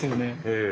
ええ。